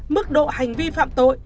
mức độ hành vi phạm tội